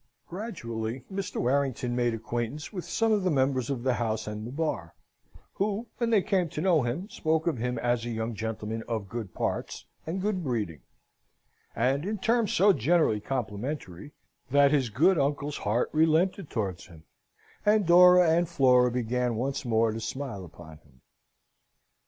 Gradually Mr. Warrington made acquaintance with some of the members of the House and the Bar; who, when they came to know him, spoke of him as a young gentleman of good parts and good breeding, and in terms so generally complimentary, that his good uncle's heart relented towards him, and Dora and Flora began once more to smile upon him.